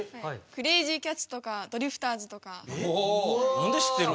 なんで知ってる？